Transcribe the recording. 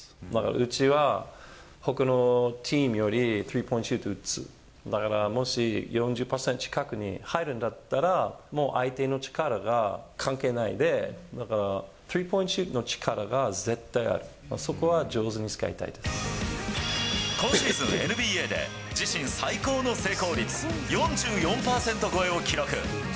うちは、ほかのチームよりスリーポイントシュート打つ、だからもし４０％近くに入るんだったら、もう相手の力が関係ないで、だからスリーポイントシュートの力が絶対ある、そこは上手に使い今シーズン、ＮＢＡで自身最高の成功率４４％超えを記録。